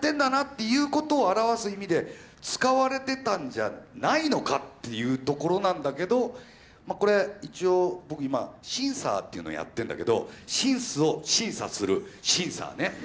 いうことを表す意味で使われてたんじゃないのかっていうところなんだけどこれ一応僕今「シンサー」っていうのやってるんだけど「シンス」を「審査」する「シンサー」ね。